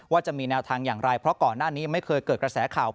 จะมีแนวทางอย่างไรเพราะก่อนหน้านี้ไม่เคยเกิดกระแสข่าว